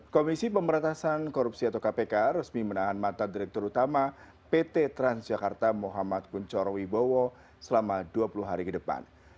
komisi pemberantasan korupsi atau kpk resmi menahan mantan direktur utama pt transjakarta muhammad kuncoro wibowo selama dua puluh hari ke depan